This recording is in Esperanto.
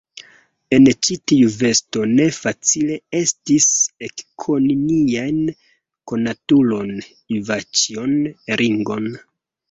En ĉi tiu vesto ne facile estis ekkoni nian konatulon, Ivaĉjon Ringon.